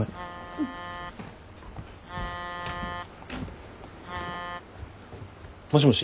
うん。もしもし。